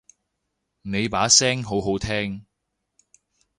你把聲好好聽